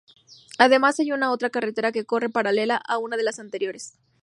Además hay otra carretera que corre paralela a una de la anteriores.